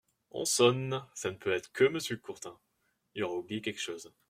On sonne ! ça ne peut être que Monsieur Courtin !… il aura oublié quelque chose.